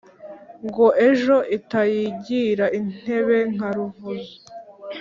Ngo ejo itayigira intebe nka Ruvuzo*,